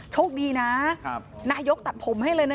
โชคดีนะนายกรัฐมนตรีตัดผมให้เร็วนะ